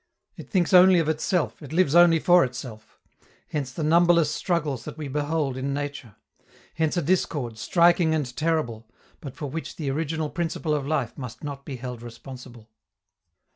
It thinks only of itself, it lives only for itself. Hence the numberless struggles that we behold in nature. Hence a discord, striking and terrible, but for which the original principle of life must not be held responsible.